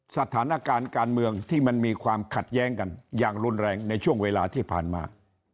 สถานการณ์การเมืองที่มันมีความขัดแย้งกันอย่างรุนแรงในช่วงเวลาที่ผ่านมา